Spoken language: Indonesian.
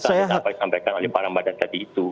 saya hampir sampai disampaikan oleh pak ramadhan tadi itu